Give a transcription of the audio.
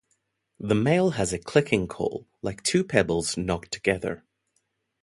The male has a clicking call, like two pebbles knocked together.